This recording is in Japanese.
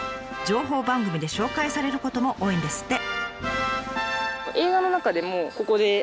情報番組で紹介されることも多いんですって。